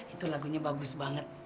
itu lagunya bagus banget